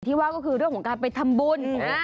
ว่าก็คือเรื่องของการไปทำบุญ